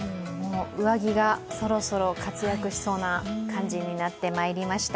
上着がそろそろ活躍しそうな感じになってまいりました。